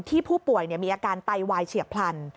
ผู้ป่วยมีอาการไตวายเฉียบพลัน